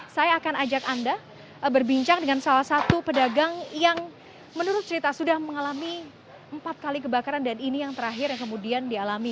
saya akan ajak anda berbincang dengan salah satu pedagang yang menurut cerita sudah mengalami empat kali kebakaran dan ini yang terakhir yang kemudian dialami